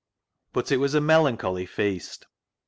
But it was a melancholy feast.